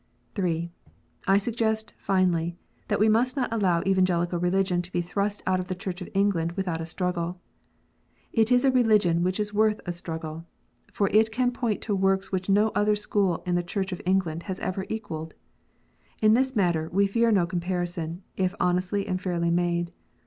(3) I suggest, finally, that we must not allow Evangelical Religion to be thrust out of the Church of England without a struggle. It is a religion which is worth a struggle ; for it can point to works which no other school in the Church of England has ever equalled. In this matter we fear no comparison, if honestly and fairly made.